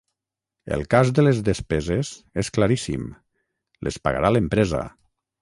El cas de les despeses és claríssim: les pagarà l’empresa.